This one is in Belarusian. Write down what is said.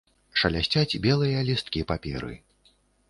Шалясцяць белыя лісткі паперы.